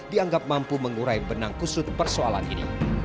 dianggap mampu mengurai benang kusut persoalan ini